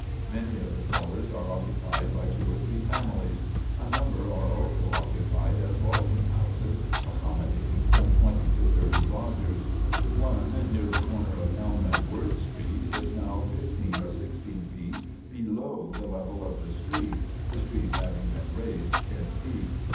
Many of the cellars are occupied by two or three families; a number are also occupied as lodging houses, accommodating from twenty to thirty lodgers. One, near the corner of Elm and Worth streets, is now fifteen or sixteen feet below the level of the street (the street having been raised ten feet).